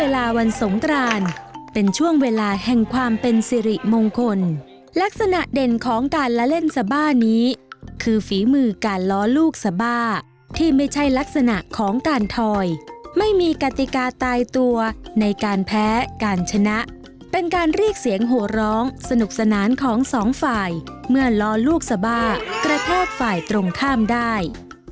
ลักษณะเด่นของการละเล่นสบ้านี้คือฝีมือการล้อลูกสบ้าที่ไม่ใช่ลักษณะของการถอยไม่มีกติกาตายตัวในการแพ้การชนะเป็นการรีกเสียงหัวร้องสนุกสนานของสองฝ่ายเมื่อล้อลูกสบ้ากระแทกฝ่ายตรงข้ามได้